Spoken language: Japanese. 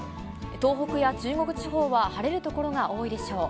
東北や中国地方は晴れる所が多いでしょう。